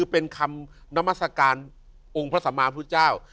เป็นคำน้ำสกาลองค์พระสัมมาทพระพุทธเจ้า